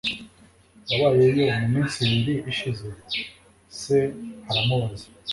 Wabayeyo muminsi ibiri ishize? Se aramubaza.